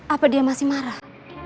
apa dia masih marah